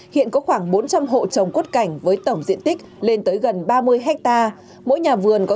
hiện có khoảng bốn trăm linh hộ trồng quất cảnh với tổng diện tích lên tới gần ba mươi hectare mỗi nhà vườn có